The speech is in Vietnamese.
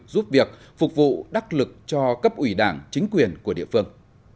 giúp việc phục vụ đắc lực cho cấp ủy đảng chính quyền của địa phương